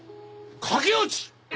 駆け落ち！